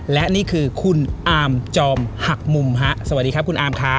และนี่คือคุณอามจอมหักมุมฮะสวัสดีครับคุณอามครับ